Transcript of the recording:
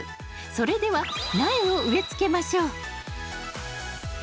それでは苗を植え付けましょう。